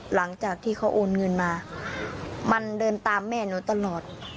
หลังจากที่เขาโอนเงินมามันเดินตามแม่หนูตลอด